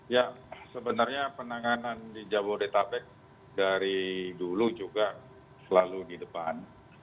ya sebenarnya penanganan di jabodetabek dari dulu juga selalu di depan